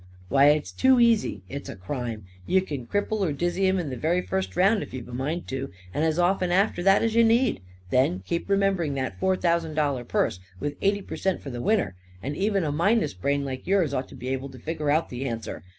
"Why, it's too easy! It's a crime. You c'n cripple or dizzy him in the very first round if you've a mind to. And as often after that as you need. Then, keep remembering that four thousand dollar purse, with eighty per cent for the winner. And even a minus brain like yours ought to be able to figger out the answer.